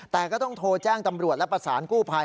แต่ก็ต้องโทรแจ้งตำรวจและประสานกู้ภัย